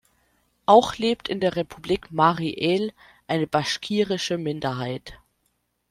Auch lebt in der Republik Mari El eine baschkirische Minderheit.